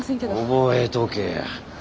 覚えとけや。